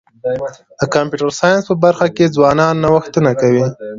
د کمپیوټر ساینس په برخه کي ځوانان نوښتونه کوي.